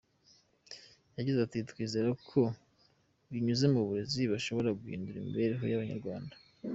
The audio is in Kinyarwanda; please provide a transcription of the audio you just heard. Yagize ati “Twizera ko binyuze mu burezi tuzashobora guhindura imibereho y’Abanyarwanda.